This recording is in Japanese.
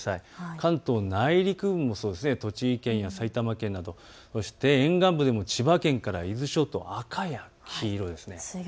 関東内陸部、栃木県や埼玉県などそして沿岸部でも千葉県から伊豆諸島、赤や黄色です。